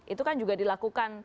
itu kan juga dilakukan